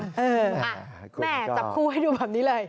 แม่จับคู่ให้ดูแบบนี้เลย